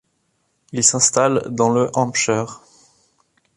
Il s'installe dans le Hampshire.